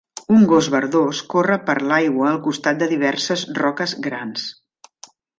Un gos verdós corre per l'aigua al costat de diverses roques grans.